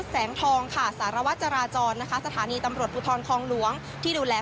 ส์แสงทองซารวาตรจรรนะคะสถานีตำรวจปุฏรทองล้วงที่ดูแล